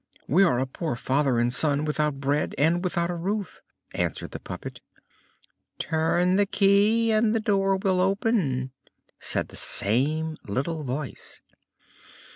"We are a poor father and son without bread and without a roof," answered the puppet. "Turn the key and the door will open," said the same little voice.